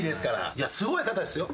いやすごい方ですよ。